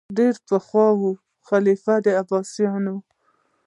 ډېر پخوا وو خلیفه د عباسیانو